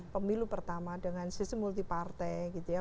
pemilu pertama dengan sistem multi partai gitu ya